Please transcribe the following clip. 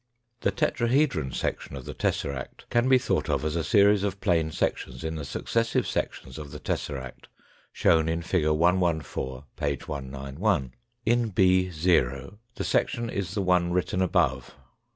The tetrahedron section of the tesseract can be thought of as a series of plane sections in the successive sections of the tesseract shown in fig. 114, p. 191. In b the section is the one written above.